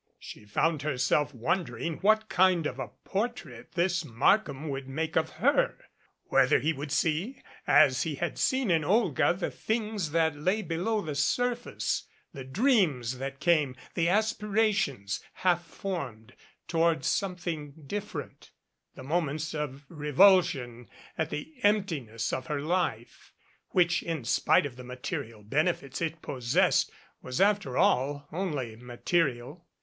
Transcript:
She found herself won dering what kind of a portrait this Markham would make of her, whether he would see, as he had seen in Olga the things that lay below the surface the dreams that came, the aspirations, half formed, toward something different, the moments of revulsion at the emptiness of her life, which, in spite of the material benefits it possessed, was, after all, only material.